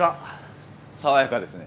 さわやかですね。